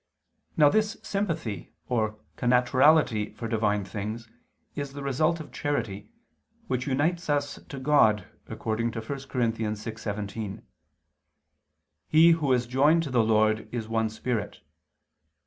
Now this sympathy or connaturality for Divine things is the result of charity, which unites us to God, according to 1 Cor. 6:17: "He who is joined to the Lord, is one spirit."